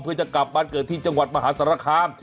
เพื่อจะกลับบ้านเกิดที่จังหวัดมหาสารคาม